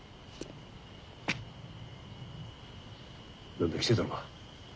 何だ来てたのか。